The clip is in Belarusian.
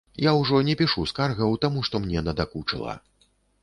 Я ўжо не пішу скаргаў, таму што мне надакучыла.